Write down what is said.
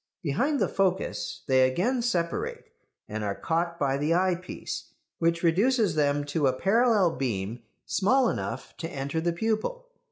Behind the focus they again separate, and are caught by the eyepiece, which reduces them to a parallel beam small enough to enter the pupil.